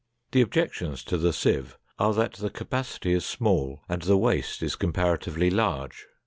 The objections to the sieve are that the capacity is small and the waste is comparatively large.